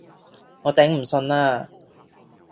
我頂唔順啦